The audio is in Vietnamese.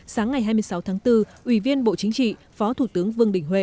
sáng ngày hai mươi sáu tháng bốn ủy viên bộ chính trị phó thủ tướng vương đình huệ